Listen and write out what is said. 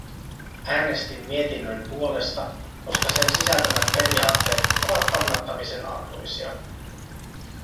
Äänestin mietinnön puolesta, koska sen sisältämät periaatteet ovat kannattamisen arvoisia.